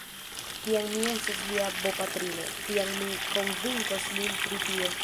Kiam mi estos lia bopatrino, tiam mi konvinkos lin pri tio.